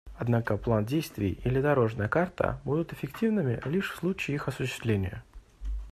Однако план действий или «дорожная карта» будут эффективными лишь в случае их осуществления.